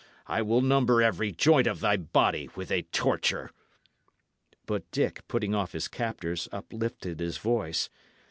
I will number every joint of thy body with a torture." But Dick, putting off his captors, uplifted his voice.